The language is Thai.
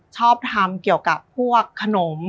ชอบทำเกี่ยวกับพวกขนม